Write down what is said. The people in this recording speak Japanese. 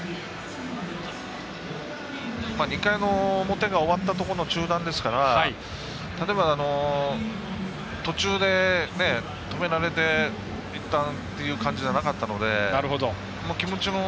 ２回の表が終わったところの中断ですから例えば、途中で止められていったんっていう感じじゃなかったので。